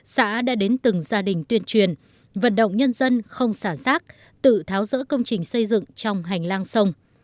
xã đã đến từng gia đình tuyên truyền vận động nhân dân không xả rác tự tháo rỡ công trình xây dựng trong hành lang sông